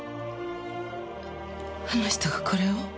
あの人がこれを？